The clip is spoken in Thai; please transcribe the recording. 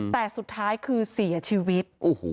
แต่สุดท้ายคือเสียชีวิต